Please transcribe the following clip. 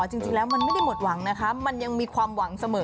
จริงแล้วมันไม่ได้หมดหวังนะคะมันยังมีความหวังเสมอ